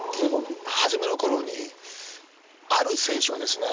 初めのころにある選手がですね